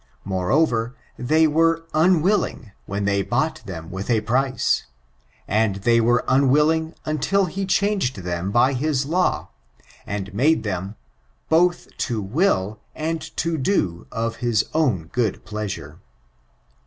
Moreover, they were unwiliing, when he bought them with a price, and they were unwilling until he changed them by bis law, and made them " both to will and to do of his own good pleasure."